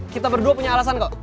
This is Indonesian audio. kita berdua punya alasan kok